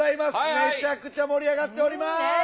めちゃくちゃ盛り上がっております。